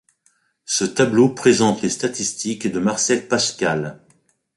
Ce tableau présente les statistiques de Marcel Pascal.